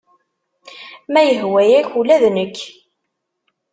Ma yehwa-yak ula d nekk.